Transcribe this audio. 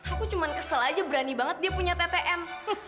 aku cuma kesel aja berani banget dia punya ttm